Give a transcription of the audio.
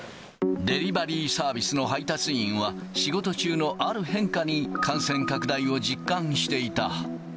デリバリーサービスの配達員は、仕事中のある変化に、感染拡大を実感していた。